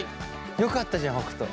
よかったじゃん北斗。